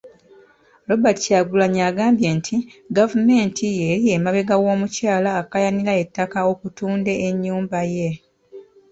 Robert Kyagulanyi agambye nti gavumenti y'eri emabega w'omukyala akaayanira ettaka okutunde ennyumba ye.